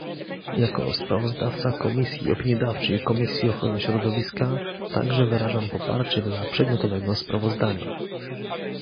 Jako sprawozdawca komisji opiniodawczej Komisji Ochrony Środowiska, także wyrażam poparcie dla przedmiotowego sprawozdania